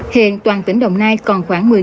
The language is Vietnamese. hiện toàn tỉnh đồng nai còn khoảng